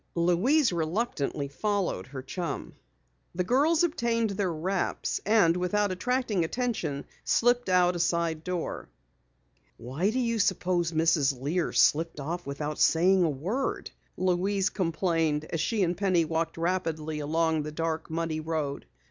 Louise reluctantly followed her chum. The girls obtained their wraps and without attracting attention, slipped out a side door. "Why do you suppose Mrs. Lear slipped off without saying a word?" Louise complained as she and Penny walked rapidly along the dark, muddy road.